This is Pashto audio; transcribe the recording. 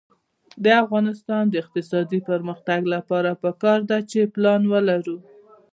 د افغانستان د اقتصادي پرمختګ لپاره پکار ده چې پلان ولرو.